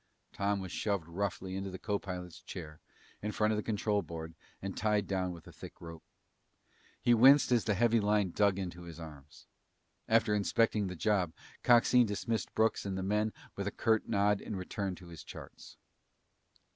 Tom was shoved roughly into the copilot's chair in front of the control board and tied down with a thick rope. He winced as the heavy line dug into his arms. After inspecting the job, Coxine dismissed Brooks and the men with a curt nod and returned to his charts.